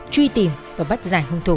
truy tìm và bắt giải hung thủ